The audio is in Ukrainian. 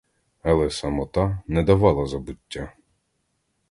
Але самота не давала забуття.